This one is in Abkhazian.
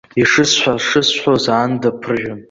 Ишысҳәа-шысҳәоз, аанда ԥыржәан.